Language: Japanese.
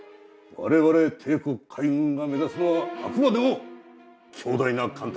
我々帝国海軍が目指すのはあくまでも強大な艦隊だ。